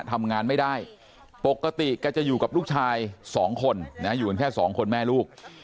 ทำงานไม่ได้ปกติแกจะอยู่กับลูกชาย๒คนอยู่กันแค่สองคนแม่ลูก